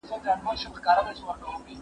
ده پښتو شعر غني کړ